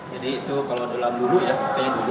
jadi itu kalau dalam dulu ya